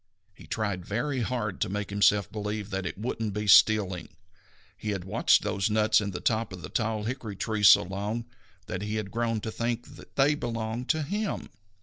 He tried very hard to make himself believe that it wouldn't be stealing. He had watched those nuts in the top of the tall hickory tree so long that he had grown to think that they belonged to him.